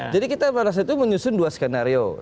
jadi kita pada saat itu menyusun dua skenario